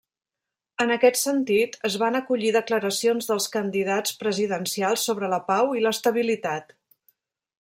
En aquest sentit, es van acollir declaracions dels candidats presidencials sobre la pau i l'estabilitat.